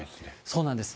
そうなんです。